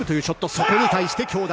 そこに対して強打！